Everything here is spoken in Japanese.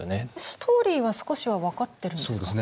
ストーリーは少しは分かってるんですか？